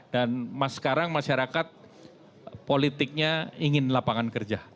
dan sekarang masyarakat politiknya ingin lapangan kerja